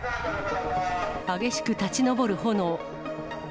激しく立ち上る炎。